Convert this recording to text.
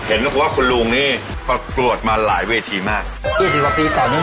เห็นก็คือว่าคุณลุงนี่ประกวดมาหลายเวทีมากยี่สิบหกปีตอนนั้น